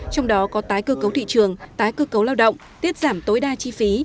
trong đó có tái cơ cấu thị trường tái cơ cấu lao động tiết giảm tối đa chi phí